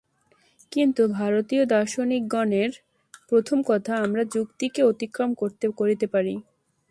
কিন্তু ভারতীয় দার্শনিকগণের প্রথম কথা আমরা যুক্তিকে অতিক্রম করিতে পারি।